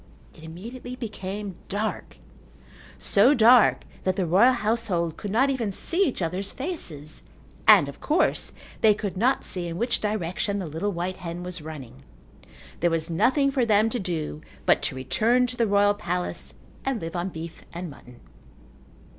It immediately became dark, so dark that the royal household could not even see each other's faces and, of course, they could not see in which direction the little white hen was running. There was nothing for them to do but to return to the royal palace and live on beef and mutton.